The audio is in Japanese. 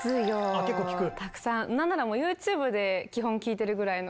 何ならもうＹｏｕＴｕｂｅで基本聴いてるぐらいの。